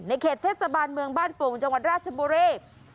เขตเทศบาลเมืองบ้านโป่งจังหวัดราชบุรี